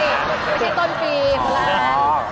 อ๋อไม่ใช่ต้นปีโอเค